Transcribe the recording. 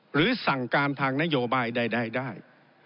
หรือสั่งการทางนโยบายใดได้